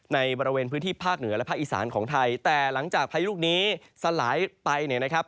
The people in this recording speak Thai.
ในบริเวณพื้นที่ภาคเหนือและภาคอีสานของไทยแต่หลังจากพายุลูกนี้สลายไปเนี่ยนะครับ